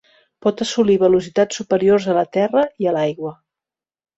Pot assolir velocitats superiors a la terra i a l"aigua.